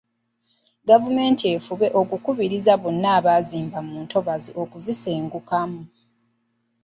Gavumenti efube okukubiriza bonna abaazimba mu ntobazi okuzisengukamu.